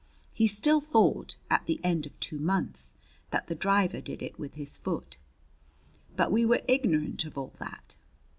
He still thought at the end of two months that the driver did it with his foot! But we were ignorant of all that.